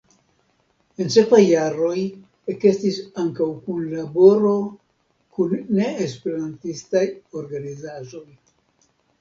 En sekvaj jaroj ekestis ankaŭ kunlaboro kun ne-esperantistaj organizaĵoj.